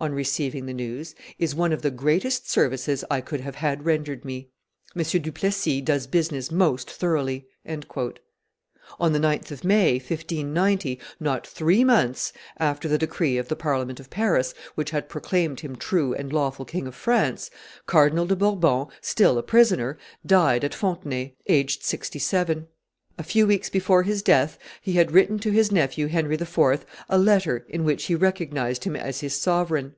on receiving the news, "is one of the greatest services I could have had rendered me; M. du Plessis does business most thoroughly." On the 9th of May, 1590, not three months after the decree of the Parliament of Paris which had proclaimed him true and lawful King of France, Cardinal de Bourbon, still a prisoner, died at Fontenay, aged sixty seven. A few weeks before his death he had written to his nephew Henry IV. a letter in which he recognized him as his sovereign.